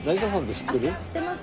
知ってます。